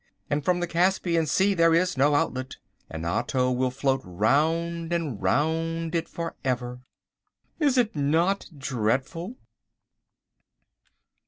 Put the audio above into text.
And from the Caspian Sea there is no outlet, and Otto will float round and round it for ever. Is it not dreadful?